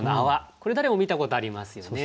これ誰も見たことありますよね。